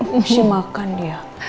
masih makan dia